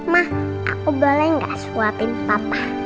mah aku boleh gak suapin papa